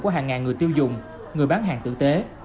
của hàng ngàn người tiêu dùng người bán hàng tử tế